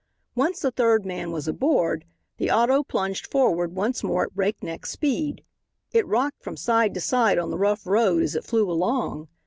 Once the third man was aboard, the auto plunged forward once more at breakneck speed. It rocked from side to side on the rough road as it flew along.